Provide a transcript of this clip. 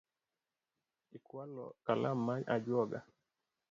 Ikualo kalam mar ajuoga?